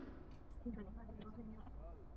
听说你开始做生意了